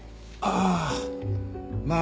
ああ。